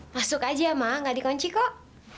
masuk aja ma nggak dikunci kok